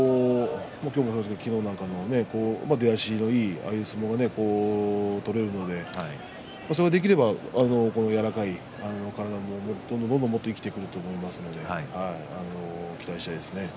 昨日なども出足のいい、ああいう相撲を取れるので、それができれば柔らかい体もどんどんどんどん生きてくると思いますので期待したいですね。